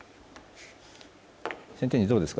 先手陣どうですか。